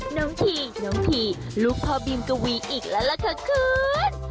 น้องทีน้องพีลูกพ่อบีมกวีอีกแล้วล่ะค่ะคุณ